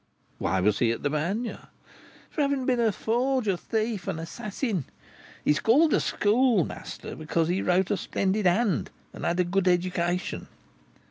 "Why was he at the Bagne?" "For having been a forger, thief, and assassin. He is called the Schoolmaster because he wrote a splendid hand, and has had a good education."